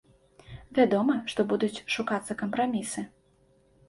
Вядома, што будуць шукацца кампрамісы.